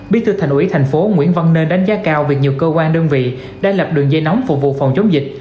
bí thư thành ủy thành phố nguyễn văn nên đánh giá cao việc nhiều cơ quan đơn vị đã lập đường dây nóng phục vụ phòng chống dịch